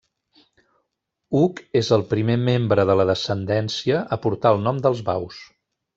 Hug és el primer membre de la descendència a portar el nom dels Baus.